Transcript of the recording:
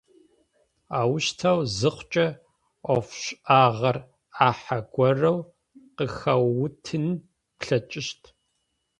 Аущтэу зыхъукӏэ ӏофшӏагъэр ӏахьэ горэу къыхэуутын плъэкӏыщт.